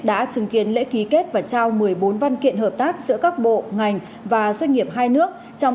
đã chứng kiến lễ ký kết và trao một mươi bốn văn kiện hợp tác giữa các bộ ngành và doanh nghiệp hai nước trong